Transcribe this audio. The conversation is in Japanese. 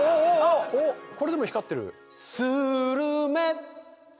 これでも光ってる。